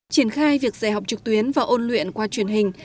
triển khai việc dạy học trực tuyến và ôn luyện qua truyền hình